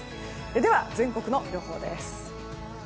では、全国の予報です。